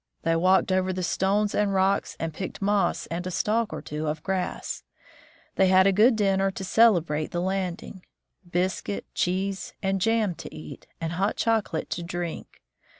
They walked over the stones and rocks, and picked moss and a stalk or two of grass. They had a good dinner to cele brate the landing : biscuit, cheese, and jam to eat, and hot chocolate to drink.